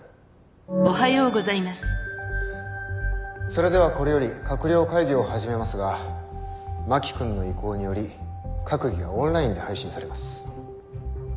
それではこれより閣僚会議を始めますが真木君の意向により閣議はオンラインで配信されます。